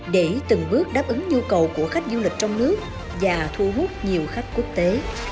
để từng bước đáp ứng nhu cầu của khách du lịch trong nước và thu hút nhiều khách quốc tế